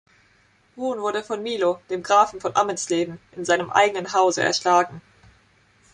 Brun wurde von Milo, dem Grafen von Ammensleben, in seinem eigenen Hause erschlagen.